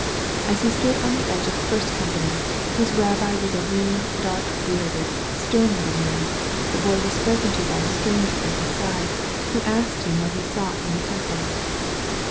As he stood on the edge of the first company, whose rabbi was a lean, dark bearded, stem little man, the Boy was qx>ken to by a stranger at his side, who asked him indiat he sought in the Temple.